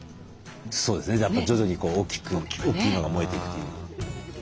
そうですね徐々に大きく大きいのが燃えていくという。